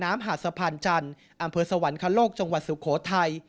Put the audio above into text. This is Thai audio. อำเภอสวรรคโลกจังหวัดสุโขทัย